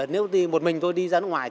nếu một mình tôi đi ra nước ngoài